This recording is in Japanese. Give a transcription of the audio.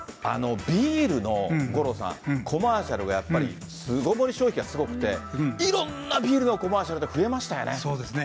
ビールの、五郎さん、コマーシャルがやっぱり、巣ごもり消費がすごくて、いろんなビールのコマーシャルで増えまそうですね。